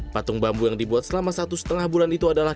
patung bambu yang dibuat selama satu setengah bulan itu adalah